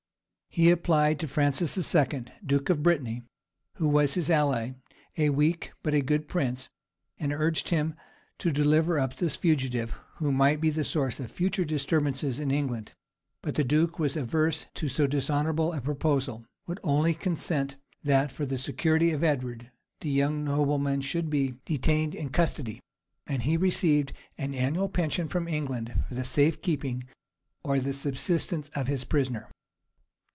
He applied to Francis II., duke of Brittany, who was his ally; a weak, but a good prince; and urged him to deliver up this fugitive, who might be the source of future disturbances in England; but the duke, averse to so dishonorable a proposal, would only consent that, for the security of Edward, the young nobleman should be detained in custody; and he received an annual pension from England for the safe keeping or the subsistence of his prisoner.